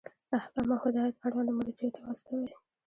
احکام او هدایات اړونده مرجعو ته واستوئ.